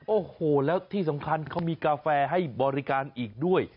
โอ้โหแล้วที่สำคัญเขามีกาแฟให้บริการอีกด้วย